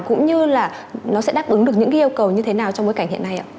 cũng như là nó sẽ đáp ứng được những cái yêu cầu như thế nào trong bối cảnh hiện nay ạ